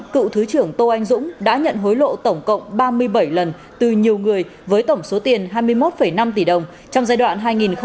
cựu thứ trưởng tô anh dũng đã nhận hối lộ tổng cộng ba mươi bảy lần từ nhiều người với tổng số tiền hai mươi một năm tỷ đồng trong giai đoạn hai nghìn một mươi sáu hai nghìn một mươi tám